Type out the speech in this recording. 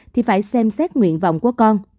thì phải xem xét nguyện vọng của con